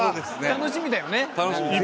楽しみだよね。